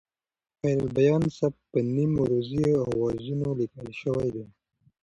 د خیرالبیان سبک په نیم عروضي اوزانو لیکل شوی دی.